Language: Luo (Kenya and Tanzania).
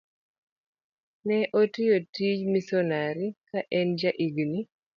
Ne otiyo tij misonari ka en jahigni